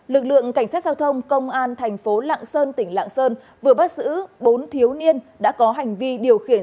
lực lượng cảnh sát giao thông công an thành phố lạng sơn tỉnh lạng sơn vừa bắt giữ bốn thiếu niên đã có hành vi điều khiển